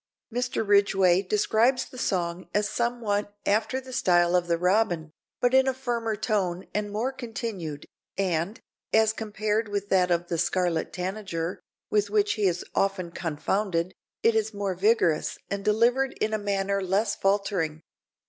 Mr. Ridgway describes the song as somewhat after the style of the robin, but in a firmer tone and more continued, and, as compared with that of the scarlet tanager, with which he is often confounded, it is more vigorous and delivered in a manner less faltering.